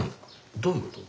どういうこと？